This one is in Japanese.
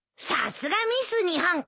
さすがミス日本。